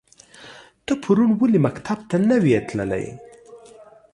ته پرون ولی مکتب ته نه وی تللی؟